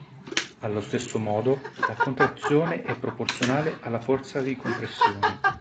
Allo stesso modo, la contrazione è proporzionale alla forza di compressione.